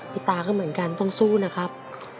พี่ตาก็เหมือนกันต้องสู้นะครับ